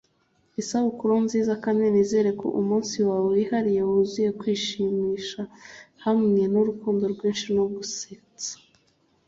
isabukuru nziza kandi nizere ko umunsi wawe wihariye wuzuye kwishimisha, hamwe nurukundo rwinshi no gusetsa